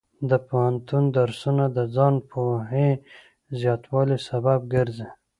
د پوهنتون درسونه د ځان پوهې زیاتوالي سبب ګرځي.